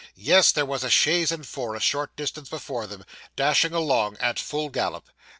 Yes: there was a chaise and four, a short distance before them, dashing along at full gallop.